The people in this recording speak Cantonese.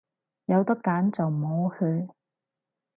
有得揀就唔好去